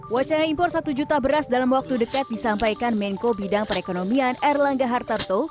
wacana impor satu juta beras dalam waktu dekat disampaikan menko bidang perekonomian erlangga hartarto